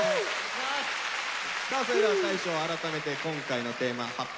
さあそれでは大昇改めて今回のテーマ発表